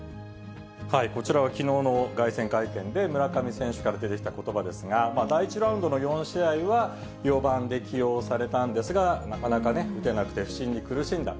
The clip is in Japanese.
こちらはきのうの凱旋会見で、村上選手から出てきたことばですが、第１ラウンドの４試合は４番で起用されたんですが、なかなか打てなくて、不振に苦しんだ。